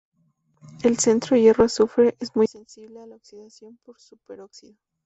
El centro hierro-azufre es muy sensible a la oxidación por superóxido.